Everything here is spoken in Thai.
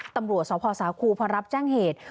ตำรวจสพสาครูพอรับแจ้งเหตุ